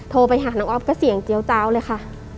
โทรไปหน้าฮอล์โกะเสียงเจี๋ยวเจ้าเลยค่ะ